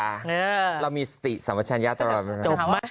เรามีสติศรรมาชัยาตรราด